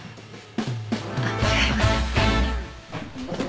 あっ違いますから。